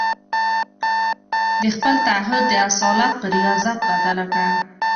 د خپل تعهد د اصالت پر رياضت بدله کړه.